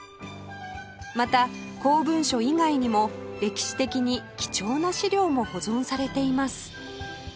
また公文書以外にも歴史的に貴重な資料も保存されています